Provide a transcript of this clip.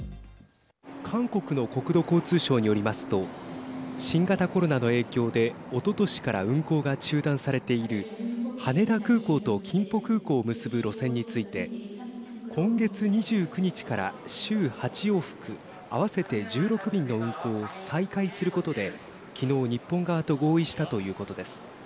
韓国の国土交通省によりますと新型コロナの影響でおととしから運航が中断されている羽田空港とキンポ空港を結ぶ路線について今月２９日から週８往復、合わせて１６便の運航を再開することできのう、日本側と合意したということです。